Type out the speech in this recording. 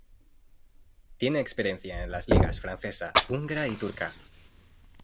Tiene experiencia en las ligas francesa, húngara y turca.